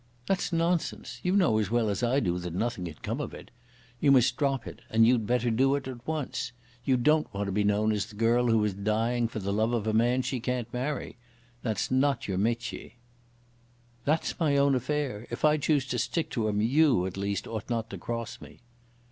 "That's nonsense. You know as well as I do that nothing can come of it. You must drop it, and you'd better do it at once. You don't want to be known as the girl who is dying for the love of a man she can't marry. That's not your métier." "That's my own affair. If I choose to stick to him you, at least, ought not to cross me."